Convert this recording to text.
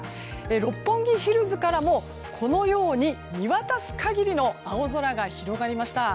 六本木ヒルズからもこのように、見渡す限りの青空が広がりました。